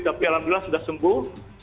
tapi alhamdulillah sudah sembuh